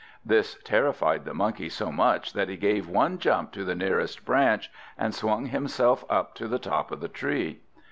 This terrified the Monkey so much that he gave one jump to the nearest branch, and swung himself up to the top of the tree.